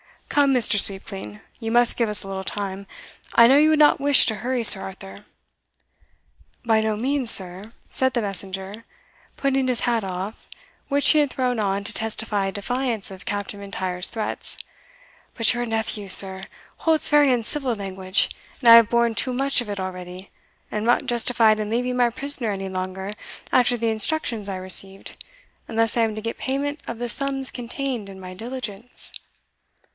Come, Mr. Sweepclean, you must give us a little time I know you would not wish to hurry Sir Arthur." "By no means, sir," said the messenger, putting his hat off, which he had thrown on to testify defiance of Captain M'Intyre's threats; "but your nephew, sir, holds very uncivil language, and I have borne too much of it already; and I am not justified in leaving my prisoner any longer after the instructions I received, unless I am to get payment of the sums contained in my diligence."